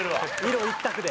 色一択で。